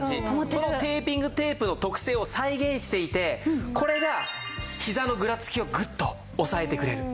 このテーピングテープの特性を再現していてこれがひざのぐらつきをグッとおさえてくれる。